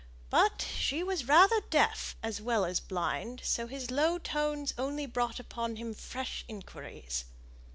But she was rather deaf as well as blind, so his low tones only brought upon him fresh inquiries.